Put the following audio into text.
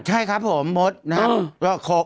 ใช่ครับผมมดนะครับ